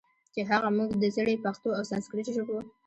چې هغه موږ د زړې پښتو او سانسکریت ژبو